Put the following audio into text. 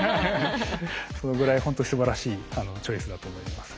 そのぐらいほんとすばらしいチョイスだと思います。